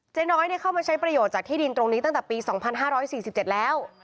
น้อยเข้ามาใช้ประโยชน์จากที่ดินตรงนี้ตั้งแต่ปี๒๕๔๗แล้ว